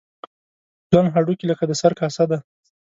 پلن هډوکي لکه د سر کاسه ده.